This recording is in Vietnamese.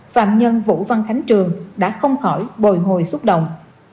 phạm nhân vũ văn khánh trường đã không khỏi bồi hồi xúc động